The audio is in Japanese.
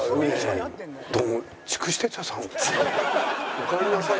おかえりなさい。